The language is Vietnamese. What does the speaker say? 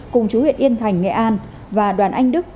cùng chú huyện yên thành nghệ an và đoàn anh đức